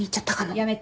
やめて。